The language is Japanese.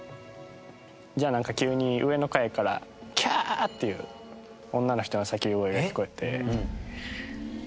じゃあなんか急に上の階からキャー！っていう女の人の叫び声が聞こえて。